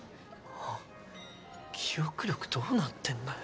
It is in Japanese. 記憶力どうなってんだよ。